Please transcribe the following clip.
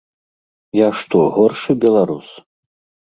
Я што, горшы беларус?